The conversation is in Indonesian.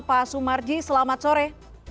pak sumarji selamat sore